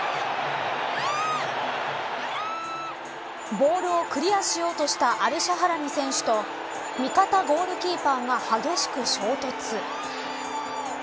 ボールをクリアしようとしたアルシャハラニ選手と味方ゴールキーパーが激しく衝突。